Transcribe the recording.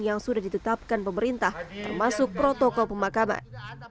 yang sudah ditetapkan pemerintah termasuk protokol pemakaman